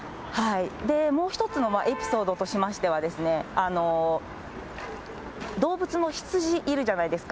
もう一つのエピソードとしましては、動物の羊いるじゃないですか。